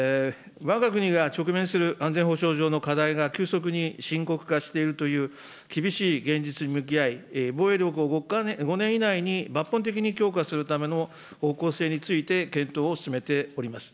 わが国が直面する安全保障上の課題が急速に深刻化しているという厳しい現実に向き合い、防衛力を５年以内に抜本的に強化するための方向性について検討を進めております。